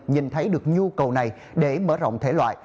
nhìn thấy được nhu cầu này để mở rộng thể loại